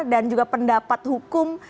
dan juga pendapat hukum